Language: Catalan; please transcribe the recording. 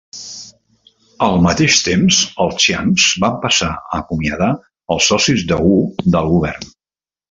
Al mateix temps, els Chiangs van passar a acomiadar els socis de Wu del govern.